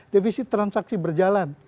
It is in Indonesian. defisi transaksi berjalan